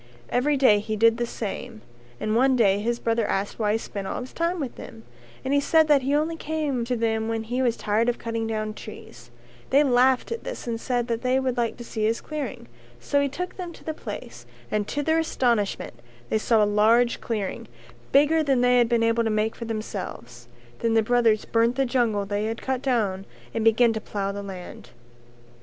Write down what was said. Every day he did the same and one day his brothers asked why he spent all his time with them, but he said that he only came to them when he was tired of cutting down trees; they laughed at this and said that they would like to see his clearing, so he took them to the place and to their astonishment they saw a large clearing, bigger than they had been able to make for themselves. Then the brothers burnt the jungle they had cut down and began to plough the land.